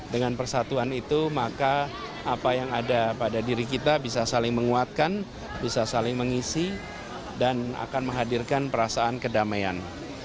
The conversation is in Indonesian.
dengan persatuan itu maka apa yang ada pada diri kita bisa saling menguatkan bisa saling mengisi dan akan menghadirkan perasaan kedamaian